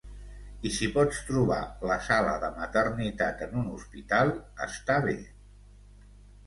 I si pots trobar la sala de maternitat en un hospital, està bé.